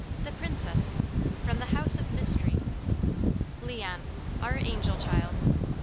THE PRINCESS, From the House of Mystery. LEON, Our Angel Child.